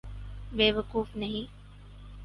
بے وقوف نہیں۔